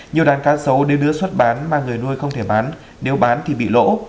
nhiều đàn cá sấu đến lứa xuất bán mà người nuôi không thể bán nếu bán thì bị lỗ